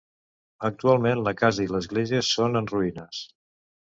Actualment la casa i l'església són en ruïnes.